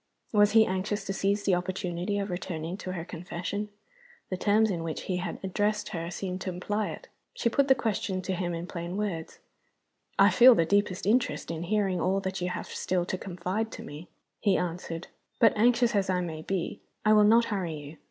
Was he anxious to seize the opportunity of returning to her confession? The terms in which he had addressed her seemed to imply it. She put the question to him in plain words, "I feel the deepest interest in hearing all that you have still to confide to me," he answered. "But anxious as I may be, I will not hurry you.